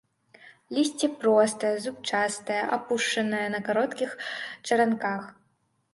Лісце простае, зубчастае, апушанае, на кароткіх чаранках.